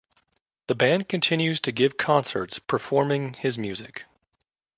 The band continues to give concerts performing his music.